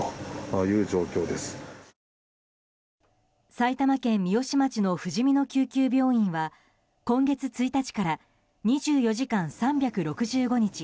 埼玉県三芳町のふじみの救急病院は今月１日から２４時間３６５日